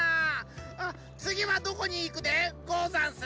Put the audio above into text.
あつぎはどこにいくでござんす？